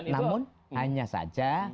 namun hanya saja